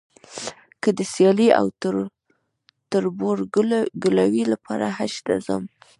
که د سیالۍ او تربورګلوۍ لپاره حج ته ځم.